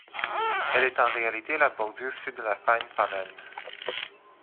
Elle est en réalité la bordure sud de la Fagne-Famenne.